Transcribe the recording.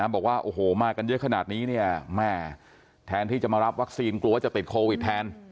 บอกว่าโอ้โหมากันเยอะขนาดนี้เนี่ยแม่แทนที่จะมารับวัคซีนกลัวจะติดโควิดแทน